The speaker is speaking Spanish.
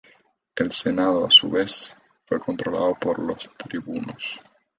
El Senado, a su vez, fue controlado por los Tribunos.